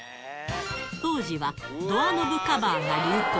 当時はドアノブカバーが流行。